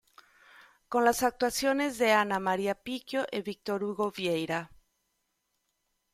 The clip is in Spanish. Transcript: Con las actuaciones de Ana Maria Picchio y Víctor Hugo Vieyra.